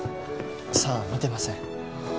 さあ見てません。